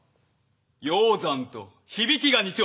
鷹山と響きが似ておる！